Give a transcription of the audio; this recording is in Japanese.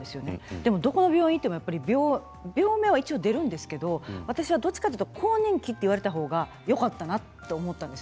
でもどこの病院に行っても病名は一応出るんですけど私はどちらかというと更年期と言われた方がよかったなと思ったんです。